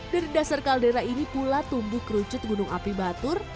dari dasar kaldera ini pula tumbuh kerucut gunung api batur